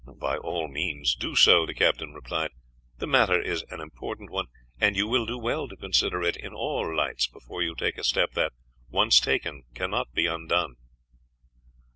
"By all means do so," the captain replied. "The matter is an important one, and you will do well to consider it in all lights before you take a step that, once taken, cannot be undone."